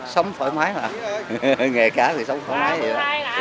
sống thoải mái mà nghề cá thì sống thoải mái vậy đó